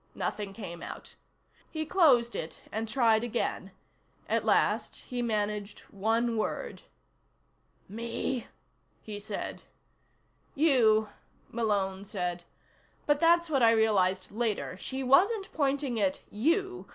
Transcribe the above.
Nothing came out. He closed it and tried again. At last he managed one word. "Me?" he said. "You," Malone said. "But that's what I realized later. She wasn't pointing at you.